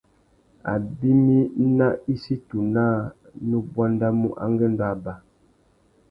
Abimî nà issutu naā nu buandamú angüêndô abà.